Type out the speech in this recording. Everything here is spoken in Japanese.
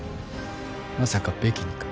まさかベキにか？